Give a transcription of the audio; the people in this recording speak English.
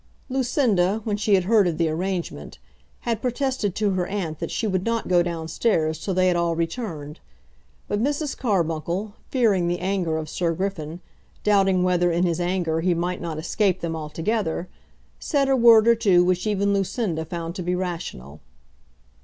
Lucinda, when she had heard of the arrangement, had protested to her aunt that she would not go down stairs till they had all returned; but Mrs. Carbuncle, fearing the anger of Sir Griffin, doubting whether, in his anger, he might not escape them altogether, said a word or two which even Lucinda found to be rational.